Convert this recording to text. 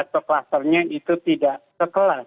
atau klusternya itu tidak sekelas